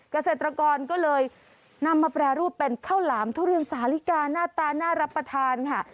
เกษตรกรก็เลยนำมาแปรรูปเป็นข้าวหลามทุเรียนสาลิกาหน้าตาน่ารับประทานค่ะ